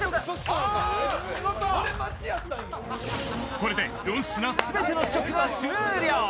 これで４品全ての試食が終了。